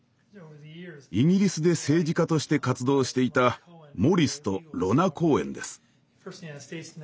イギリスで政治家として活動していたモリスとロナ・コーエンです。